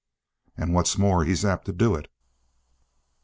"And what's more, he's apt to do it."